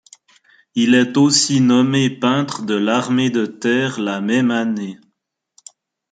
Il est aussi nommé peintre de l'Armée de terre la même année.